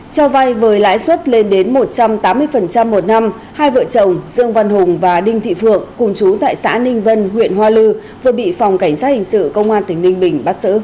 cho vay với lãi suất lên đến một trăm tám mươi một năm hai vợ chồng dương văn hùng và đinh thị phượng cùng chú tại xã ninh vân huyện hoa lư vừa bị phòng cảnh sát hình sự công an tỉnh ninh bình bắt xử